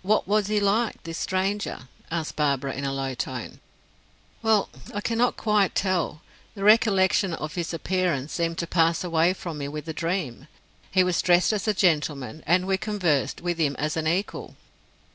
"What was he like, this stranger?" asked Barbara, in a low tone. "Well, I cannot quite tell. The recollection of his appearance seemed to pass away from me with the dream. He was dressed as a gentleman, and we conversed, with him as an equal."